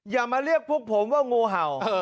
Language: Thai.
อย่ามาเรียกพวกผมว่างูเห่า